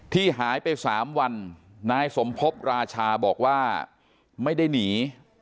ที่หายไป๓วันนายสมพบราชาบอกว่าไม่ได้หนี